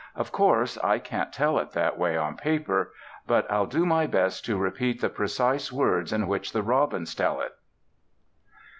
Of course I can't tell it that way on paper, but I'll do my best to repeat the precise words in which the robins tell it.